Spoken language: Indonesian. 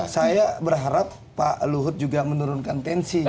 saya berharap pak luhut juga menurunkan tensi